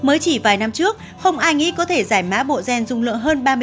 mới chỉ vài năm trước không ai nghĩ có thể giải mã bộ gen dung lượng hơn ba mươi